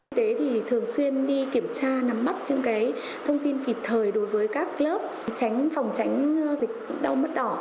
y tế thường xuyên đi kiểm tra nắm mắt những thông tin kịp thời đối với các lớp tránh phòng tránh dịch đau mắt đỏ